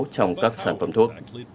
trong các sản phẩm thuốc